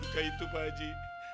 gak itu pak haji